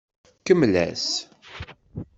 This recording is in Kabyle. Kemmel-as.